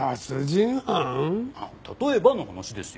例えばの話ですよ。